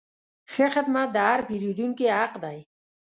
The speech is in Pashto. ښه خدمت د هر پیرودونکي حق دی.